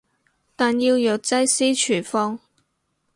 但要藥劑師處方